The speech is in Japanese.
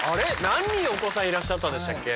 何人お子さんいらっしゃったんでしたっけ？